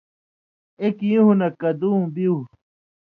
ایک یُون٘ہہۡ نہ کدُوں بیُو